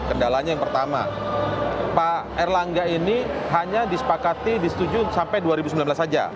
kendalanya yang pertama pak erlangga ini hanya disepakati disetujui sampai dua ribu sembilan belas saja